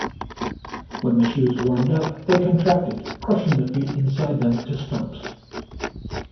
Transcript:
When the shoes warmed up, they contracted, crushing the feet inside them to stumps.